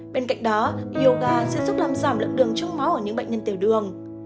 bên cạnh đó yoga sẽ giúp làm giảm lượng đường trong máu ở những bệnh nhân tiểu đường